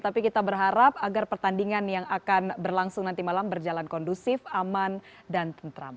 tapi kita berharap agar pertandingan yang akan berlangsung nanti malam berjalan kondusif aman dan tentram